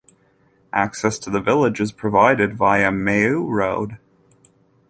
Access to the village is provided via Meaux Road.